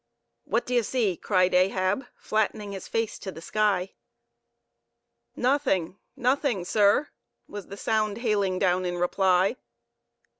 "What d'ye see?" cried Ahab, flattening his face to the sky. "Nothing, nothing, sir!" was the sound hailing down in reply.